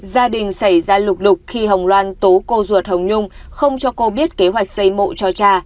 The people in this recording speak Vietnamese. gia đình xảy ra lục đục khi hồng loan tố cô ruột hồng nhung không cho cô biết kế hoạch xây mộ cho cha